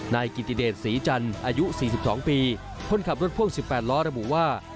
นายกิติเดชศรีจันทร์อายุ๔๒ปีคนขับรถพ่วง๑๘ล้อระบุว่า